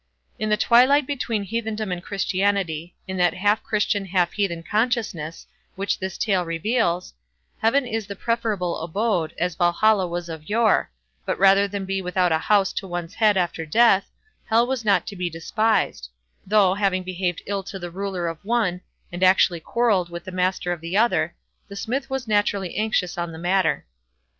In the twilight between heathendom and Christianity, in that half Christian half heathen consciousness, which this tale reveals, heaven is the preferable abode, as Valhalla was of yore, but rather than be without a house to one's head after death, Hell was not to be despised; though, having behaved ill to the ruler of one, and actually quarrelled with the master of the other, the Smith was naturally anxious on the matter.